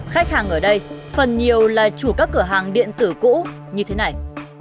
khách hàng ở đây phần nhiều là chủ các cửa hàng điện tử cũ như thế này